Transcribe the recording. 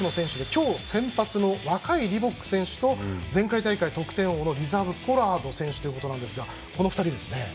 今日先発の若いリボック選手と前回大会得点王のリザーブ、ポラード選手のこの２人ですね。